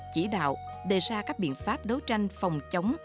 chỉ đạo đề ra các biện pháp đấu tranh phòng chống